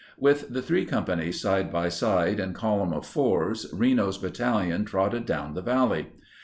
With the three companies side by side in column of fours, Reno's battalion trotted down the valley.